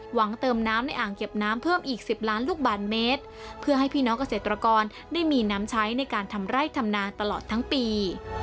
หวังเติมน้ำในอ่างเก็บน้ำเพิ่มอีก๑๐ล้านลูกบาทเมตรเพื่อให้พี่น้องเกษตรกรได้มีน้ำใช้ในการทำไร่ทำนาตลอดทั้งปี